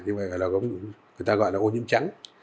như vậy là người ta gọi là ô nhiễm trắng